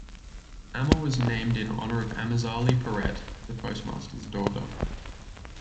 Ama was named in honor of Amazalie Perret, the postmaster's daughter.